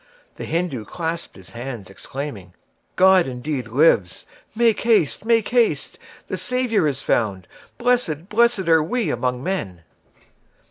The Hindoo clasped his hands, exclaiming, "God indeed lives! Make haste, make haste! The Savior is found. Blessed, blessed are we above men!"